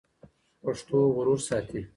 پښتو غرور ساتي.